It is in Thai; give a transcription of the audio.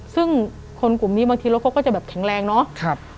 ซึ่งคนกลุ่มนี้บางทีรถเขาก็จะแบบแข็งแรงเนาะ